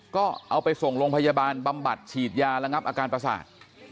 ก็เอาไปส่งโรงพยาบาลบำบัดฉีดยาระงับอาการประสาท